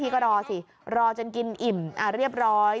ก็รอสิรอจนกินอิ่มเรียบร้อย